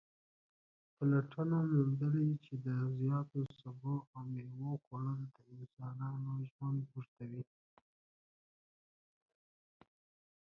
پلټنو موندلې چې د زیاتو سبو او میوو خوړل د انسانانو ژوند اوږدوي